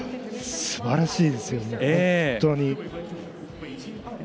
すばらしいですよね